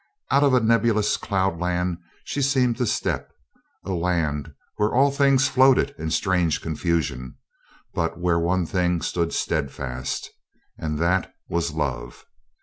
Out of a nebulous cloudland she seemed to step; a land where all things floated in strange confusion, but where one thing stood steadfast, and that was love.